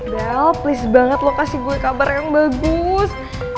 belle please banget lo kasih gue kabar yang bagus